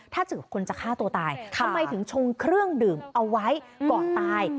ถ้าเจอคนจะฆ่าตัวตายทำไมถึงชงเครื่องดื่มเอาไว้ก่อนตาย